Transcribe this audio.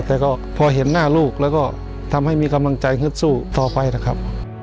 แต่ก็พอเห็นหน้าลูกแล้วก็ทำให้มีกำลังใจฮึดสู้ต่อไปนะครับ